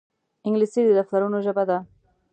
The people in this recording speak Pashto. انګلیسي د دفترونو ژبه ده